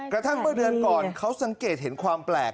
กระทั่งเมื่อเดือนก่อนเขาสังเกตเห็นความแปลก